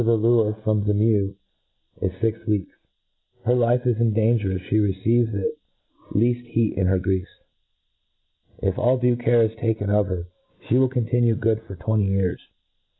the lure from the mew is fix weeks ; for her life is in danger if Ihcf receive the leail heat in her gre^fe. If all due care is taken of her, flie will continue good for twenty year«.